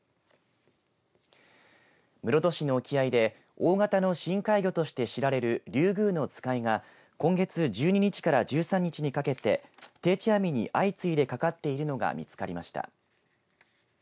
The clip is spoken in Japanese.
室戸市の沖合で大型の深海魚として知られるリュウグウノツカイが今月１２日から１３日にかけて定置網に相次いでかかっているのが見つかりました。